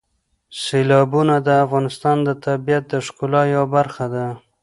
سیلابونه د افغانستان د طبیعت د ښکلا یوه برخه ده.